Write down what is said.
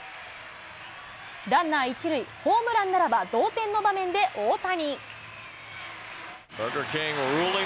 ランナー１塁、ホームランならば同点の場面で大谷。